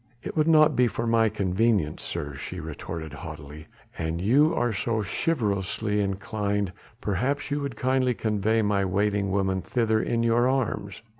"It would not be for my convenience, sir," she retorted haughtily, "an you are so chivalrously inclined perhaps you would kindly convey my waiting woman thither in your arms."